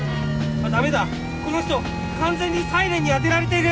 ダメだこの人完全にサイレンにあてられている！